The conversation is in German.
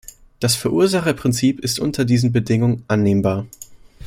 Das Verursacherprinzip ist unter diesen Bedingungen annehmbar.